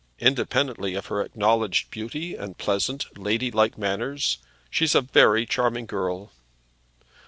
Independently of her acknowledged beauty and pleasant, ladylike manners, she's a very charming girl.